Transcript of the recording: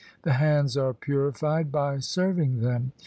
The hands are purified by serving them.